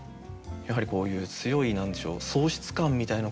やはりこういう強い何でしょう